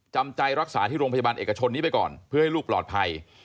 จำใจรักษาที่โรงพยาบาลเอกชนนี้ไปก่อนเพื่อให้ลูกปลอดภัย